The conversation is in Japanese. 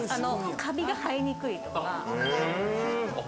カビが生えにくいとか？